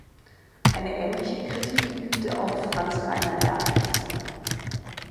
Eine ähnliche Kritik übte auch Franz-Reiner Erkens.